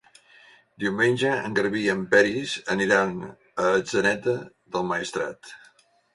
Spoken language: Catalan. Diumenge en Garbí i en Peris aniran a Atzeneta del Maestrat.